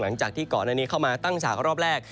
หลังจากที่ก่อนอันนี้เข้ามาตั้งฉากรอบแรก